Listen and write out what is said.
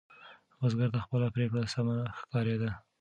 بزګر ته خپله پرېکړه سمه ښکارېدله.